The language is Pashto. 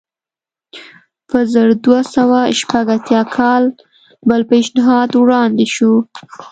په زر دوه سوه شپږ اتیا کال بل پېشنهاد وړاندې شو.